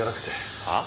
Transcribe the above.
はあ？